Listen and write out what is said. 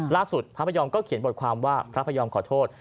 พระพยอมก็เขียนบทความว่าพระพยอมขอโทษ